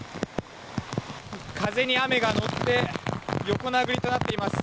風に雨が乗って横殴りとなっています。